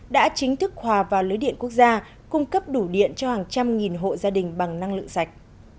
đã chính thức hòa vào lưới điện quốc gia cung cấp đủ điện cho hàng trăm nghìn hộ gia đình bằng năng lượng sạch